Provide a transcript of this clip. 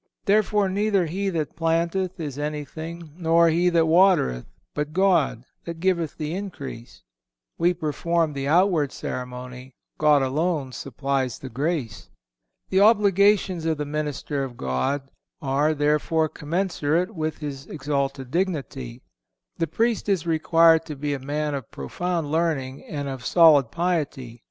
Therefore, neither he that planteth is anything, nor he that watereth, but God that giveth the increase."(510) We perform the outward ceremony; God alone supplies the grace. The obligations of the minister of God are, therefore commensurate with his exalted dignity. The Priest is required to be a man of profound learning and of solid piety.